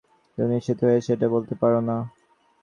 তুমি নিশ্চিত হয়ে সেটা বলতে পারো না।